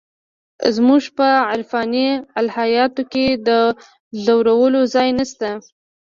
زموږ په عرفاني الهیاتو کې د ځورولو ځای نشته.